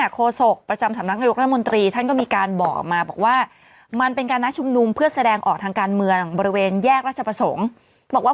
ก็รถร้านในเมืองก็อาจจะแบบว่า